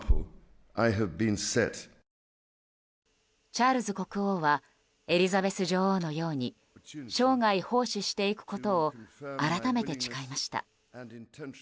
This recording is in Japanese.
チャールズ国王はエリザベス女王のように生涯奉仕していくことを改めて誓いました。